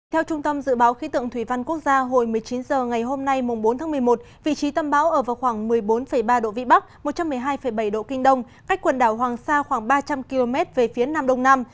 theo trung tâm dự báo khí tượng thủy văn quốc gia hồi một mươi chín h ngày hôm nay bốn tháng một mươi một vị trí tâm bão ở vào khoảng một mươi bốn ba độ vĩ bắc một trăm một mươi hai bảy độ kinh đông cách quần đảo hoàng sa khoảng ba trăm linh km về phía nam đông nam